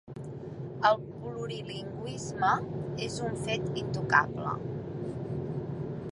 El plurilingüisme és un fet intocable.